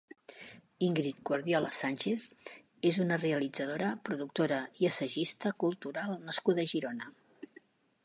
Ingrid Guardiola Sánchez és una realitzadora, productora i assagista cultural nascuda a Girona.